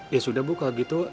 ya sudah bu kalau gitu